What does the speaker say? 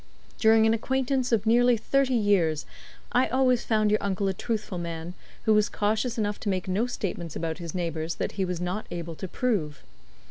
During an acquaintance of nearly thirty years, I always found your uncle a truthful man, who was cautious enough to make no statements about his neighbours that he was not able to prove.